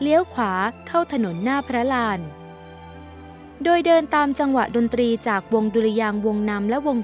เลี้ยวขวาเข้าถนนหน้าพระราชโดยเดินตามจังหวะดนตรีจากวงดุลยาง